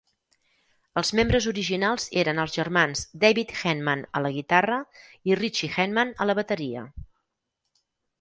Els membres originals eren els germans David Henman a la guitarra i Ritchie Henman a la bateria.